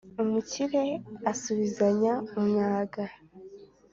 umukire asubizanya umwaga